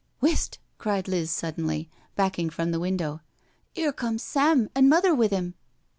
"Whist I" cried Liz suddenly, backing from the window. " 'Ere comes Sam an' Mother with 'im.